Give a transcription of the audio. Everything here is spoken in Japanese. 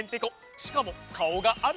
しかもかおがある。